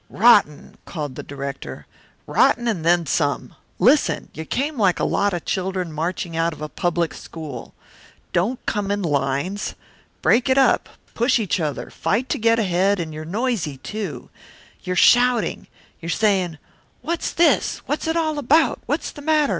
"Rotten!" called the director. "Rotten and then some. Listen. You came like a lot of children marching out of a public school. Don't come in lines, break it up, push each other, fight to get ahead, and you're noisy, too. You're shouting. You're saying, 'What's this? What's it all about? What's the matter?